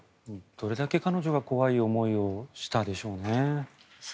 どれだけ彼女が怖い思いをしたでしょうね。